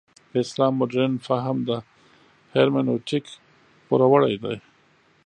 د اسلام مډرن فهم د هرمنوتیک پوروړی دی.